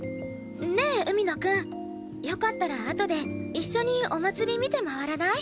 ねえ海野くん。よかったらあとで一緒にお祭り見て回らない？